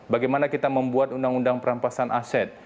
bagaimana kita membuat undang undang perampasan aset